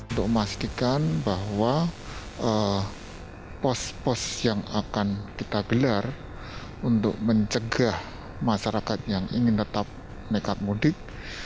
untuk memastikan bahwa pos pos yang akan kita gelar untuk mencegah masyarakat yang ingin tetap nekat mudik